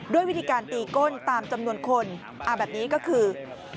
ด้วยวิธีการตีก้นตามจำนวนคนแบบนี้ก็คือ